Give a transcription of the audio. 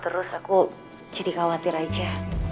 terus aku jadi khawatir aja